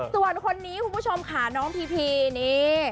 ส่วนคนนี้คุณผู้ชมค่ะน้องพีพีนี่